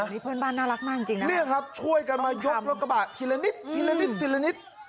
นี่เพื่อนบ้านน่ารักมากจริงนะเนี่ยครับช่วยกันมายกรถกระบะทีละนิดทีละนิดทีละนิด